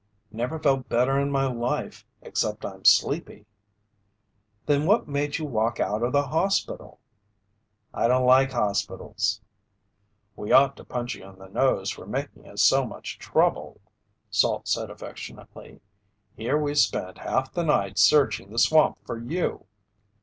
"Never felt better in my life, except I'm sleepy." "Then what made you walk out of the hospital?" "I don't like hospitals." "We ought to punch you in the nose for making us so much trouble," Salt said affectionately. "Here we spent half the night searching the swamp for you!"